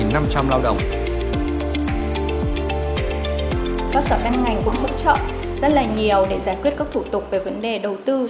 các doanh nghiệp cũng hỗ trợ rất là nhiều để giải quyết các thủ tục về vấn đề đầu tư